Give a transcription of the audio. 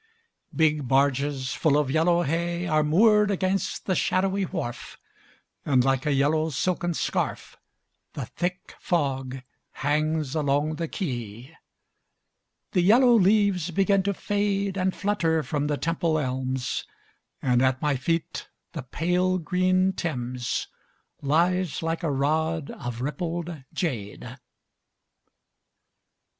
Big barges full of yellow hay Are moored against the shadowy wharf, And, like a yellow silken scarf, The thick fog hangs along the quay. The yellow leaves begin to fade And flutter from the Temple elms, And at my feet the pale green Thames Lies like a rod of rippled jade.